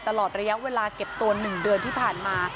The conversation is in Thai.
ตลอดระยะเวลาเก็บตัว๑เดือนที่ผ่านมา